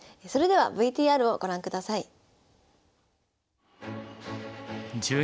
それではＶＴＲをご覧ください。